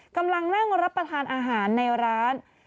กำลังนั่งรับประทานอาหารในร้าน